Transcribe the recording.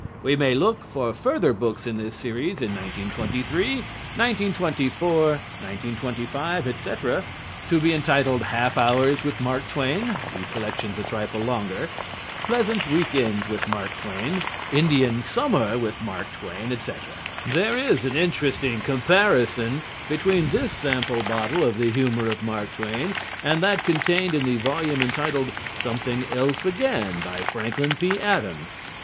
We may look for further books in this series in 1923, 1924, 1925, &c., to be entitled "Half Hours With Mark Twain" (the selections a trifle longer), "Pleasant Week Ends With Mark Twain," "Indian Summer With Mark Twain," &c. There is an interesting comparison between this sample bottle of the humor of Mark Twain and that contained in the volume entitled "Something Else Again," by Franklin P. Adams.